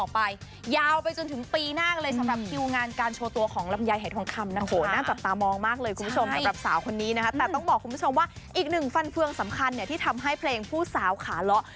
ผู้สาวคาระอยากเป็นผู้สาวคาระ